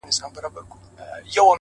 o زه چي لـه چــــا سـره خبـري كـوم،